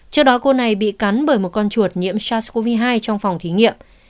trước đó cô này bị cắn bởi một con chuột nhiễm sars cov hai trong phòng thí nghiệm